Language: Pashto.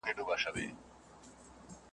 آه د لمر کجاوه څه سوه؟ .